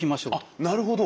あなるほど。